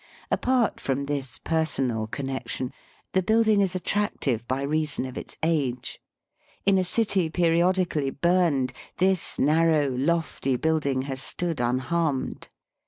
Apart from this personal connection, the building is attractive by reason of its age. In a city periodically burned, this narrow, lofty building has stood unharmed.